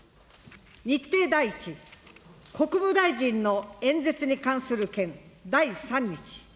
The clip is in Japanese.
日程第一、国務大臣の演説に関する件、第３日。